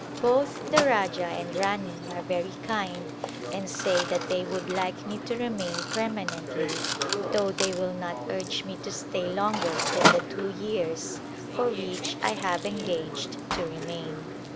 Both the Rajah and Rani are very kind and say that they would like me to remain permanently, though they will not urge me to stay longer than the two years for which A Glimpse of India I have engaged to remain.